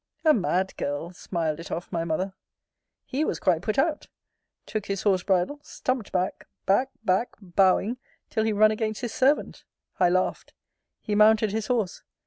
A mad girl! smiled it off my mother. He was quite put out; took his horse bridle, stumped back, back, back, bowing, till he run against his servant. I laughed. He mounted his horse.